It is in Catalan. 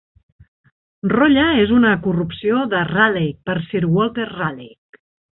Rolla és una corrupció de Raleigh, per Sir Walter Raleigh.